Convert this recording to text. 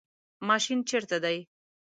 ماشین چیرته دی؟